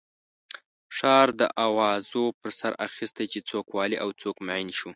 ښار د اوازو پر سر اخستی چې څوک والي او څوک معین شو.